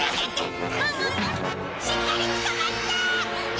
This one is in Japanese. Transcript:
しっかりつかまって！